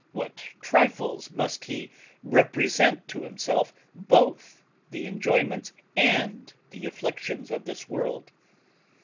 What trifles must he represent to himself both the enjoyments and the afflictions of this world!